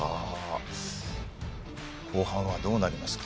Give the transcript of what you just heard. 後半はどうなりますか。